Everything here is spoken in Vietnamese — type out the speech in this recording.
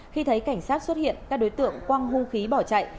khi thấy cảnh sát xuất hiện các đối tượng quang hung khí bỏ chạy